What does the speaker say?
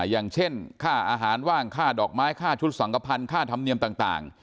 อย่างเช่นค่าอาหารว่างค่าดอกไม้ค่าชุดสังกภัณฑ์ค่าธรรมเนียมต่าง